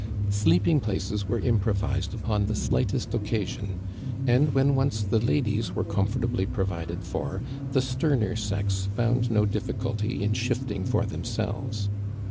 Sleeping places were improvised upon the slight est occasion ; and when once the ladies were comfort ably provided for the sterner sex found no difficulty in shifting for themselves.